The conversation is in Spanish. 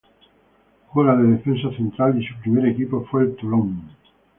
Juega de defensa central y su primer equipo fue el Toulon.